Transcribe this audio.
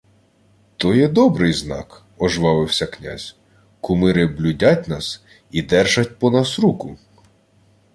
— То є добрий знак, — ожвавився князь. — Кумири блюдять нас і держать по нас руку.